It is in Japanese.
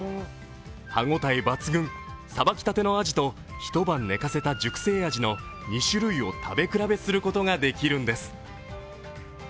歯ごたえ抜群、さばきたてのアジと一晩寝かせた熟成あじの２種類を食べ比べすることができるんです。